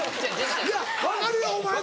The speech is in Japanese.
いや分かるよお前の。